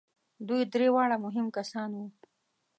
دوی درې واړه مهم کسان وو.